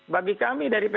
bagi kami dari pks